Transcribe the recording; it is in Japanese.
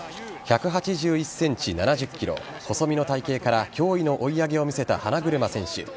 １８１ｃｍ、７０ｋｇ細身の体形から驚異の追い上げを見せた花車選手。